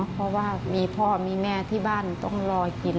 เพราะว่ามีพ่อมีแม่ที่บ้านต้องรอกิน